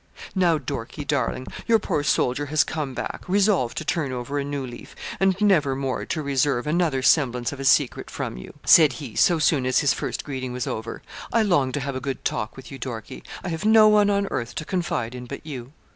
'Now, Dorkie, darling, your poor soldier has come back, resolved to turn over a new leaf, and never more to reserve another semblance of a secret from you,' said he, so soon as his first greeting was over. 'I long to have a good talk with you, Dorkie. I have no one on earth to confide in but you.